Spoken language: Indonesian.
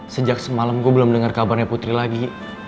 sejak semalam gue belum dengar kabarnya putri lagi